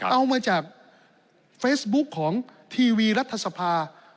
เอามาจากเฟซบุ๊คของทีวีรัฐสภา